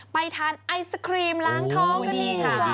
ไปทานไอศกรีมล้างท้องก็ดีค่ะ